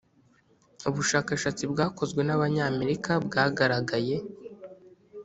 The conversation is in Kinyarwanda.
’ubushakashatsi bwakozwe, nabanyamerika bwagaragaye